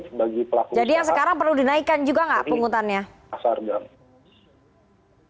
jadi yang sekarang perlu dinaikkan juga nggak penghutannya